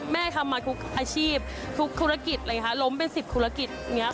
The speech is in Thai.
แม่ทำมาทุกอาชีพทุกธุรกิจล้มเป็น๑๐ธุรกิจ